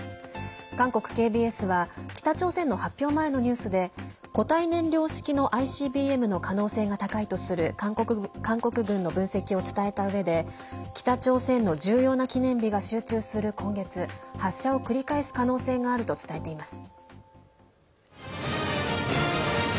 韓国ＫＢＳは北朝鮮の発表前のニュースで固体燃料式のＩＣＢＭの可能性が高いとする韓国軍の分析を伝えたうえで北朝鮮の重要な記念日が集中する今月発射を繰り返す可能性があると伝えています。